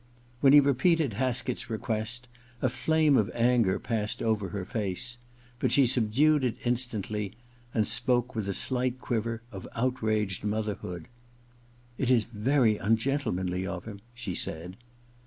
When he repeated Haskett's request a flame of anger passed over her face ; but she subdued it instantly and spoke with a slight quiver of outraged motherhood. * It is very ungentlemanly of him/ she said.